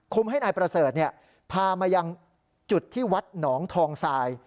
ให้นายประเสริฐพามายังจุดที่วัดหนองทองทราย